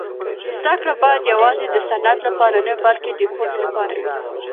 زده کړه باید یوازې د سند لپاره نه بلکې د پوهې لپاره وي.